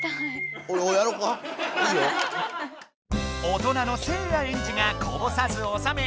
大人のせいやエンジがこぼさずおさめ